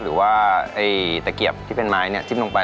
หรือว่าตะเกียบที่เป็นไม้เนี่ยจิ้มลงไป